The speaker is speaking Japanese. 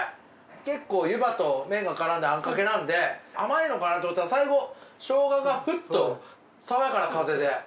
結構湯波と麺が絡んだあんかけなので甘いのかなと思ったら最後ショウガがフッと爽やかな風で。